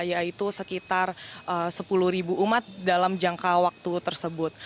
yaitu sekitar sepuluh ribu umat dalam jangka waktu tersebut